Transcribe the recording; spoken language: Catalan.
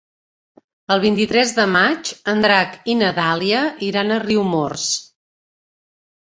El vint-i-tres de maig en Drac i na Dàlia iran a Riumors.